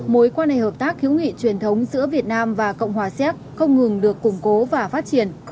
mối quan hệ hợp tác hữu nghị truyền thống giữa việt nam và cộng hòa xéc không ngừng được củng cố và phát triển